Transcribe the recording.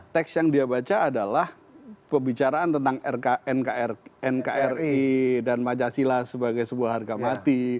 teks yang dia baca adalah pembicaraan tentang nkri dan pancasila sebagai sebuah harga mati